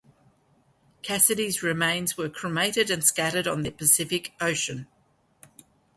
Cassidy's remains were cremated and scattered on the Pacific Ocean.